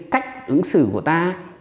cách ứng xử của ta